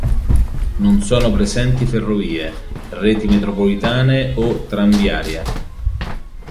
Non sono presenti ferrovie, reti metropolitane o tranviarie.